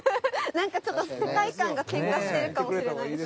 なんかちょっと世界観がケンカしてるかもしれないです。